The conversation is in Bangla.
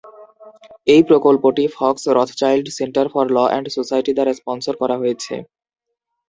এই প্রকল্পটি Fox Rothschild Center for Law and Society দ্বারা স্পন্সর করা হয়েছে।